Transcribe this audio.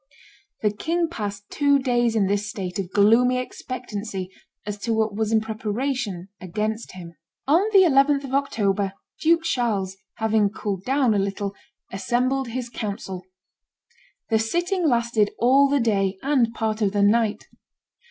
The king passed two days in this state of gloomy expectancy as to what was in preparation against him. On the 11th of October, Duke Charles, having cooled down a little, assembled his council. The sitting lasted all the day and part of the night.